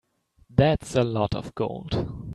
That's a lot of gold.